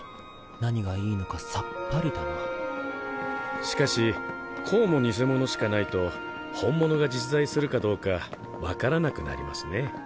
何がいいのかさっぱりだなしかしこうも偽物しかないと本物が実在するかどうか分からなくなりますね